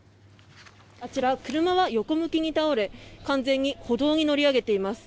あちら、車は横向きに倒れ完全に歩道に乗り上げています。